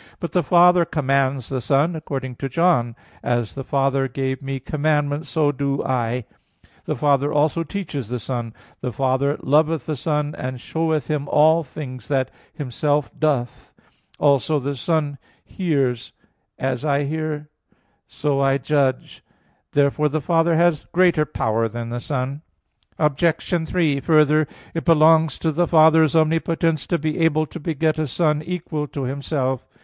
But the Father commands the Son according to John 14:31: "As the Father gave Me commandment so do I." The Father also teaches the Son: "The Father loveth the Son, and showeth Him all things that Himself doth" (John 5:20). Also, the Son hears: "As I hear, so I judge" (John 5:30). Therefore the Father has greater power than the Son. Obj. 3: Further, it belongs to the Father's omnipotence to be able to beget a Son equal to Himself.